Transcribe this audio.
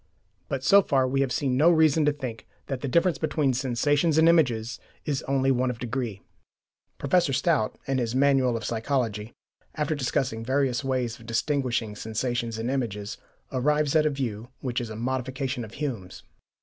But so far we have seen no reason to think that the difference between sensations and images is only one of degree. Professor Stout, in his "Manual of Psychology," after discussing various ways of distinguishing sensations and images, arrives at a view which is a modification of Hume's.